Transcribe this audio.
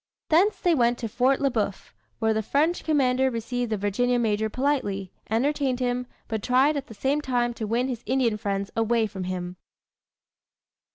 Thence they went to Fort le Boeuf, where the French commander received the Virginia major politely, entertained him, but tried at the same time to win his Indian friends away from him.